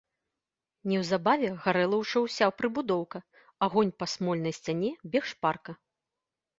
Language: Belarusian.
Неўзабаве гарэла ўжо ўся прыбудоўка, агонь па смольнай сцяне бег шпарка.